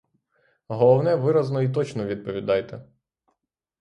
Головне, виразно й точно відповідайте!